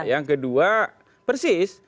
yang kedua persis